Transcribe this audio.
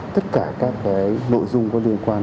tất cả các nội dung có liên quan